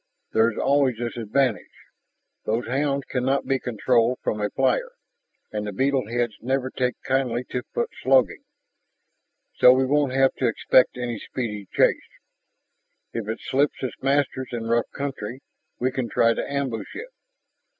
There is always this advantage those hounds cannot be controlled from a flyer, and the beetle heads never take kindly to foot slogging. So we won't have to expect any speedy chase. If it slips its masters in rough country, we can try to ambush it."